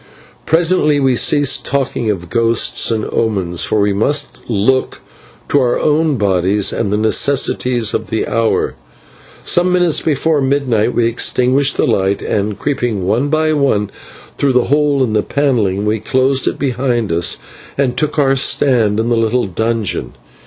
Presently we ceased talking of ghosts and omens, for we must look to our own bodies and the necessities of the hour. Some minutes before midnight we extinguished the light, and, creeping one by one through the hole in the panelling, we closed it behind us and took our stand in the little dungeon.